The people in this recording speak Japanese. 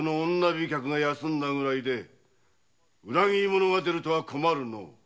飛脚が休んだぐらいで裏切り者が出るとは困るのう。